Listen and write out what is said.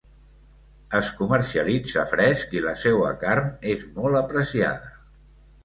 Es comercialitza fresc i la seua carn és molt apreciada.